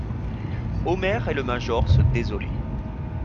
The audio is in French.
Omer et le major se désolaient.